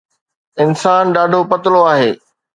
انسان ڏاڍو پتلو آهي